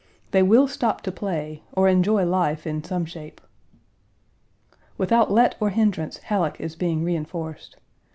They will stop to play or enjoy life in some shape. Without let or hindrance Halleck is being reenforced.